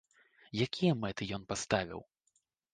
Якія мэты ён паставіў?